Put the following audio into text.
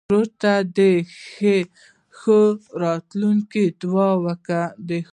ورور ته د ښو راتلونکو دعاوې کوې.